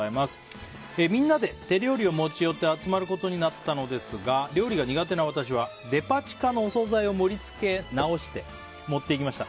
みんなで手料理を持ち寄って集まることになったのですが料理が苦手な私はデパ地下のお総菜を盛りつけ直して持っていきました。